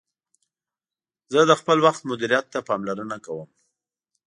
زه د خپل وخت مدیریت ته پاملرنه کوم.